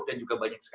dan juga banyak sekali